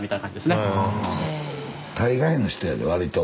大概の人やで割と。